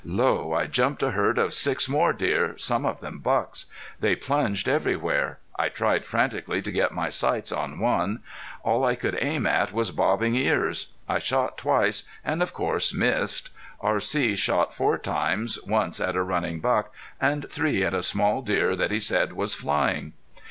Lo! I jumped a herd of six more deer, some of them bucks. They plunged everywhere. I tried frantically to get my sights on one. All I could aim at was bobbing ears. I shot twice, and of course missed. R.C. shot four times, once at a running buck, and three at a small deer that he said was flying!